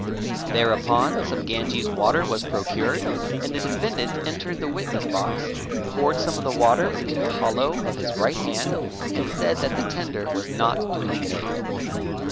Thereupon some Ganges water was procured, and the defendant entered the witness box, poured some of the water into the hollow of his right hand and said that the tender was not duly made.